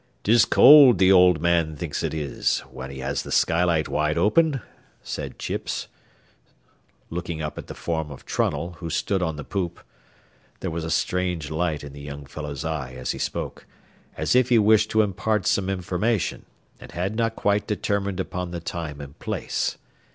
"'Tis cold th' owld man thinks it is, whin he has th' skylight wide open," said Chips, looking up at the form of Trunnell, who stood on the poop. There was a strange light in the young fellow's eye as he spoke, as if he wished to impart some information, and had not quite determined upon the time and place.